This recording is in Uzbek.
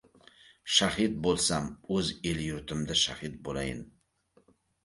Shahid bo‘lsam — o‘z el-yurtimda shahid bo‘layin!